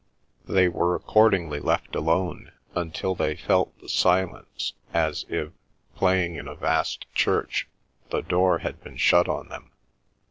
They were accordingly left alone until they felt the silence as if, playing in a vast church, the door had been shut on them.